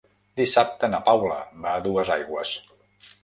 Dissabte na Paula va a Duesaigües.